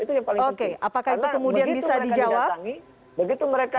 itu yang paling penting karena begitu mereka